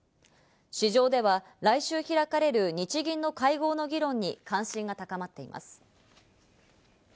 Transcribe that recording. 市場では、来週開かれる日銀の会合の議論に関心が高まっています。